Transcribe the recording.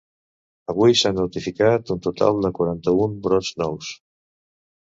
Avui s’han notificat un total de quaranta-un brots nous.